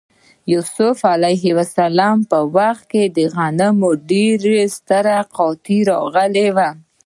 د یوسف ع په وخت کې د غنمو ډېره ستره قحطي راغلې وه.